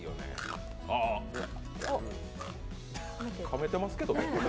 かめてますけどね。